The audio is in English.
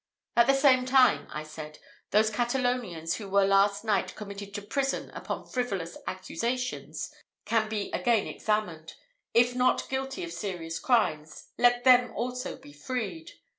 "At the same time," I said, "those Catalonians who were last night committed to prison upon frivolous accusations can be again examined. If not guilty of serious crimes, let them also be freed.